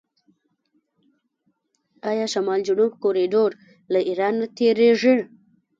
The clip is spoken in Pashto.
آیا شمال جنوب کوریډور له ایران نه تیریږي؟